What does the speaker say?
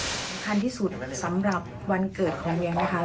สำคัญที่สุดสำหรับวันเกิดของเวียนะคะ